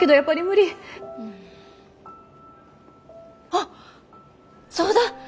あっそうだ。